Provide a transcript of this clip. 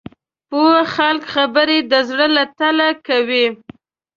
پوه خلک خبرې د زړه له تله کوي